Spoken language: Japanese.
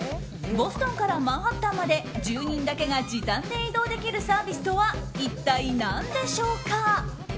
ボストンからマンハッタンまで住人だけが時短で移動できるサービスとは一体何でしょうか。